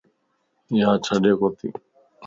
ياجڍ ڪوتي